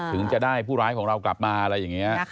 ถึงจะได้ผู้ร้ายของเรากลับมาอะไรอย่างนี้